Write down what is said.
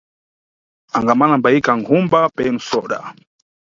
Angamala ambayikha nkhuma penu soda.